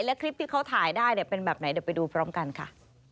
และคลิปที่เขาถ่ายได้เป็นแบบไหนเดี๋ยวไปดูพร้อมกันค่ะ